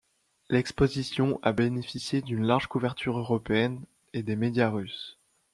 L'exposition a bénéficié d'une large couverture Européenne et des médias russes.